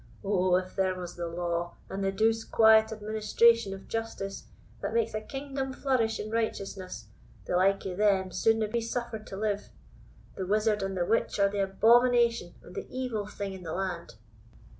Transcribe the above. O, if there was the law, and the douce quiet administration of justice, that makes a kingdom flourish in righteousness, the like o' them suldna be suffered to live! The wizard and the witch are the abomination and the evil thing in the land."